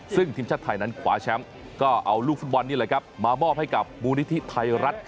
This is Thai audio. ซึ่งทีมชาติไทยนั้นขวาแชมป์ก็เอาลูกฟุตบอลนี่แหละครับมามอบให้กับมูลนิธิไทยรัฐ